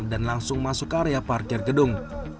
dan langsung masuk ke area parkir gedung